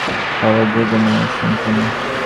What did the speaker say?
যতই চেষ্টা করো না কেন, তুমি ওটা পাওয়ার যোগ্য নও শান্তনু।